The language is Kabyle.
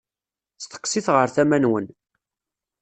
Steqsit ɣer tama-nwen.